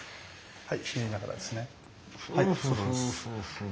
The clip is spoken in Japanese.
はい！